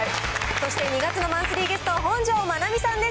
そして、２月のマンスリーゲストは、本上まなみさんです。